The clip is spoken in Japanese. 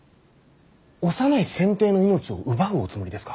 幼い先帝の命を奪うおつもりですか。